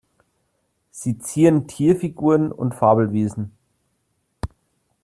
Sie zieren Tierfiguren und Fabelwesen.